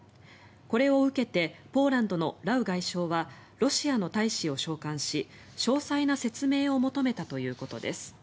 これを受けてポーランドのラウ外相はロシアの大使を召喚し詳細な説明を求めたということです。